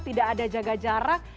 tidak ada jaga jarak